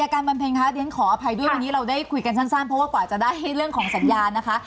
การบรรเพ็งคะเรียนขออภัยด้วยวันนี้เราได้คุยกันสั้นเพราะว่ากว่าจะได้เรื่องของสัญญานะคะ